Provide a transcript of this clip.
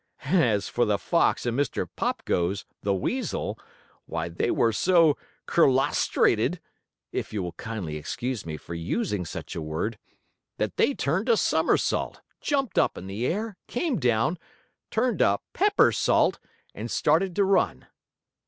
And as for the fox and Mr. Pop Goes, the weasel, why they were so kerslostrated (if you will kindly excuse me for using such a word) that they turned a somersault, jumped up in the air, came down, turned a peppersault, and started to run.